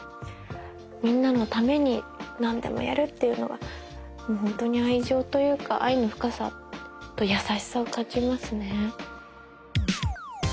みんなのために何でもやるっていうのはホントに愛情というか愛の深さと優しさを感じますね。